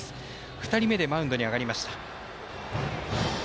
２人目でマウンドに上がりました。